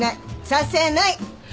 させない！